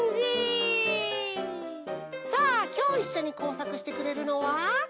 さあきょういっしょにこうさくしてくれるのは。